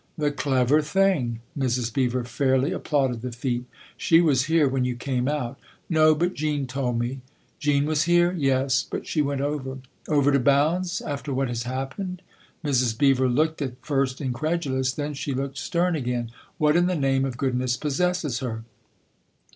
" The clever thing!" Mrs. Beever fairly applauded the feat. " She was here when you came out ?"" No, but Jean told me." " Jean was here ?"" Yes ; but she went over." " Over to Bounds after what has happened ?" Mrs. Beever looked at first incredulous ; then she looked stern again. " What in the name of good ness possesses her